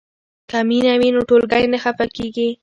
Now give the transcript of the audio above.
که مینه وي نو ټولګی نه خفه کیږي.